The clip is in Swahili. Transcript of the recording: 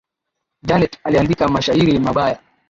Janet aliandika mashairi mabaya